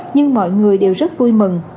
nhưng mọi người đều rất vui mừng